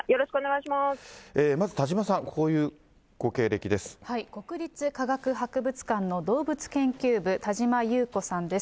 まず田島さん、こういうご経国立科学博物館の動物研究部、田島木綿子さんです。